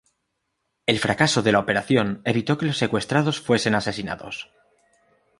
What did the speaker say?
El fracaso de la operación evitó que los secuestrados fuesen asesinados.